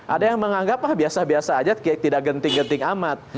ada yang menganggap ah biasa biasa aja tidak genting genting amat